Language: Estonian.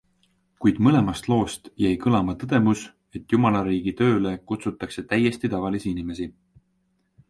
Kuid mõlemast loost jäi kõlama tõdemus, et jumalariigi tööle kutsutakse täiesti tavalisi inimesi.